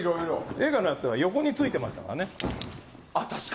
映画のやつは横についていましたからね。